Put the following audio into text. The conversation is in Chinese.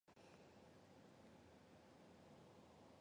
曾任职于台北县工务局工程队。